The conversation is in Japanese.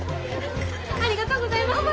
ありがとうございます。